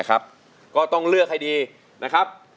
นะครับก็ต้องเลือกให้ดีนะครับ